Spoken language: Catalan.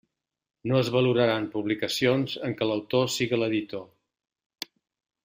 No es valoraran publicacions en què l'autor siga l'editor.